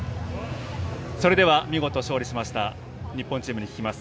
それでは見事、勝利しました日本チームに聞きます。